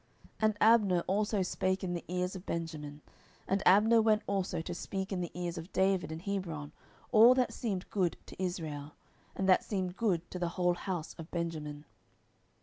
10:003:019 And Abner also spake in the ears of Benjamin: and Abner went also to speak in the ears of David in Hebron all that seemed good to Israel, and that seemed good to the whole house of Benjamin.